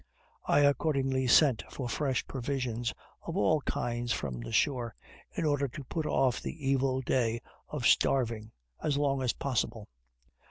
I accordingly sent for fresh provisions of all kinds from the shore, in order to put off the evil day of starving as long as possible.